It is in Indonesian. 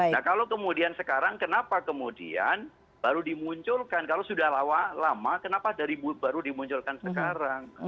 nah kalau kemudian sekarang kenapa kemudian baru dimunculkan kalau sudah lama kenapa dari baru dimunculkan sekarang